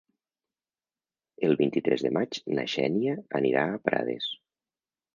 El vint-i-tres de maig na Xènia anirà a Prades.